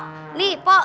itu suara siapa ya